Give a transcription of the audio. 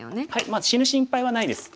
まあ死ぬ心配はないです。